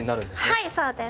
はいそうです。